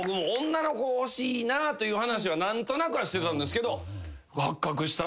女の子欲しいなという話は何となくはしてたんですけど発覚したら男の双子。